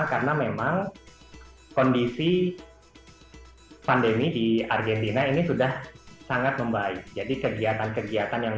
karena memang kondisi pandemi di argentina ini sudah sangat membaik jadi kegiatan kegiatan yang